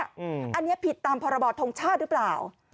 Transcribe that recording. อันนี้ผิดตามพรบทงชาติหรือเปล่า